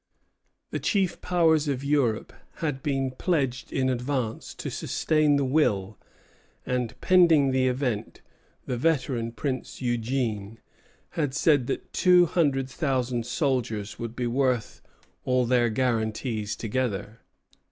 The chief Powers of Europe had been pledged in advance to sustain the will; and pending the event, the veteran Prince Eugene had said that two hundred thousand soldiers would be worth all their guaranties together.